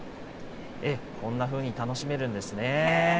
こんなふうに楽しめるんですね。